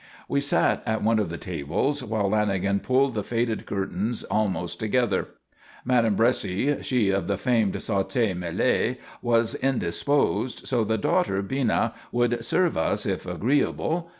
We sat at one of the tables while Lanagan pulled the faded curtains almost together. Madam Bresci, she of the famed sauté mêlé, was indisposed, so the daughter, Bina, would serve us, if agreeable?